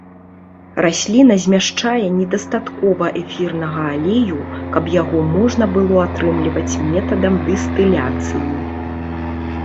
Расліна змяшчае недастаткова эфірнага алею, каб яго можна было атрымліваць метадам дыстыляцыі.